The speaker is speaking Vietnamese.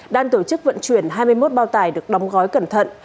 đang tổ chức vận chuyển hai mươi một bao tải được đóng gói cẩn thận